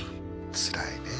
つらいねえ